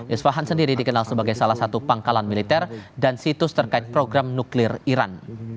iswahan sendiri dikenal sebagai salah satu pangkalan militer dan situs terkait program nuklir iran